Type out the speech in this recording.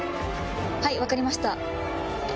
はい分かりました。